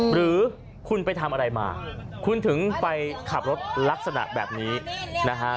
หรือคุณไปทำอะไรมาคุณถึงไปขับรถลักษณะแบบนี้นะฮะ